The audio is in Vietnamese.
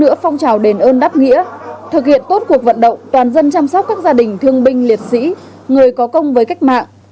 hội đồng y thành phố hà nội đã phong trào đền ơn đáp nghĩa thực hiện tốt cuộc vận động toàn dân chăm sóc các gia đình thương binh liệt sĩ người có công với cách mạng